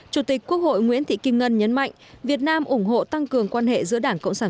chủ tịch quốc hội nguyễn thị kim ngân nhấn mạnh việt nam ủng hộ tăng cường quan hệ giữa đảng cộng sản